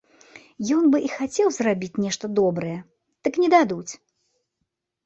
Ён бы і хацеў зрабіць нешта добрае, так не дадуць.